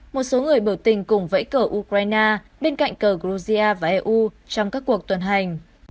một số người biểu tình cùng vẫy cờ ukraine bên cạnh cờ georgia và eu trong các cuộc tuần hành